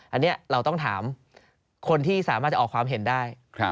อันนี้เราต้องถามคนที่สามารถจะออกความเห็นได้